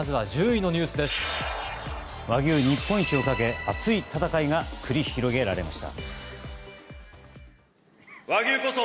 和牛日本一をかけ熱い戦いが繰り広げられました。